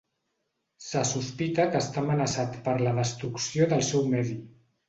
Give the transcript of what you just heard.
Se sospita que està amenaçat per la destrucció del seu medi.